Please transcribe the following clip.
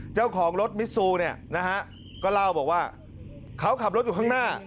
เจ้าของรถมิซูเนี่ยนะฮะก็เล่าบอกว่าเขาขับรถอยู่ข้างหน้า